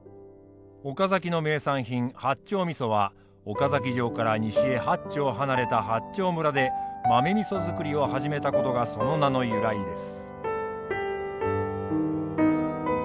岡崎の名産品八丁味は岡崎城から西へ八丁離れた八丁村で豆味造りを始めたことがその名の由来です。